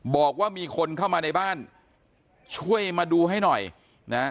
บอกว่ามีคนเข้ามาในบ้านช่วยมาดูให้หน่อยนะฮะ